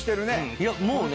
いやもうね。